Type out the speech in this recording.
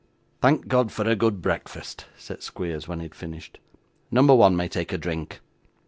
'Thank God for a good breakfast,' said Squeers, when he had finished. 'Number one may take a drink.